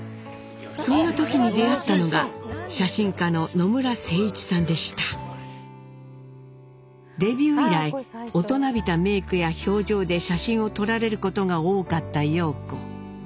そんな時に出会ったのがデビュー以来大人びたメークや表情で写真を撮られることが多かった陽子。